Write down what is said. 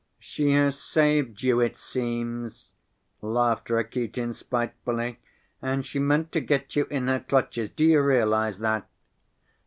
"She has saved you, it seems," laughed Rakitin spitefully. "And she meant to get you in her clutches, do you realize that?"